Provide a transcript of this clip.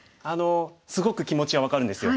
すごく気持ちは分かるんですよ。